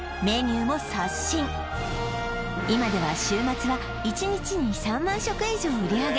今では週末は１日に３万食以上を売り上げ